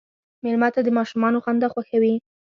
مېلمه ته د ماشومانو خندا خوښوي.